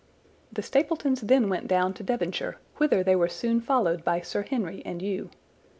"The Stapletons then went down to Devonshire, whither they were soon followed by Sir Henry and you.